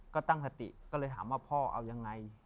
ก็ตั้งสติก็เลยถามว่าพ่อเอายังไง